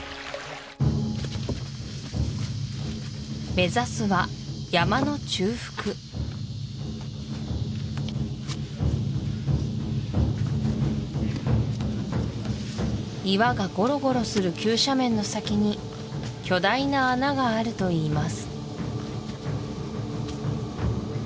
目指すは山の中腹岩がゴロゴロする急斜面の先に巨大な穴があるといいます